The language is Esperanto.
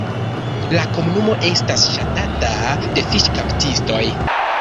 La komunumo estas ŝatata de fiŝkaptistoj.